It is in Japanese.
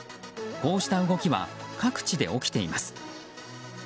こうした動きは各地で起きています。